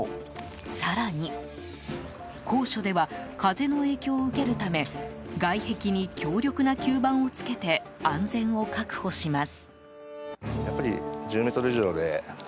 更に、高所では風の影響を受けるため外壁に強力な吸盤をつけて安全を確保します。